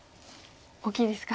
大きいですか。